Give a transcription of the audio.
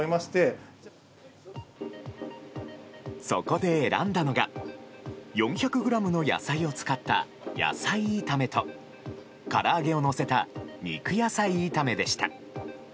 そこで選んだのが４００ｇの野菜を使った野菜炒めとから揚げをのせた肉野菜炒めでした。